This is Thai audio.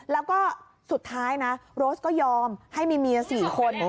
แล้วก็สุดท้ายนะโรสก็ยอมให้มีเมีย๔คน